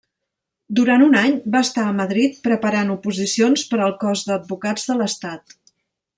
Durant un any va estar a Madrid preparant oposicions per al Cos d'Advocats de l'Estat.